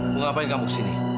mengapain kamu kesini